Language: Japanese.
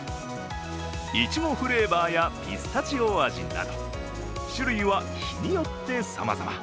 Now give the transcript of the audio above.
いちごフレーバーやピスタチオ味など種類は日によってさまざま。